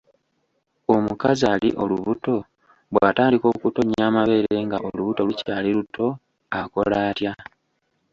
Omukazi ali olubuto bw'atandika okutonnya amabeere nga olubuto lukyali luto akola atya?